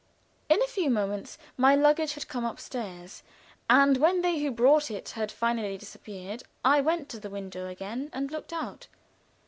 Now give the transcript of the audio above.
In a few moments my luggage had come upstairs, and when they who brought it had finally disappeared, I went to the window again and looked out.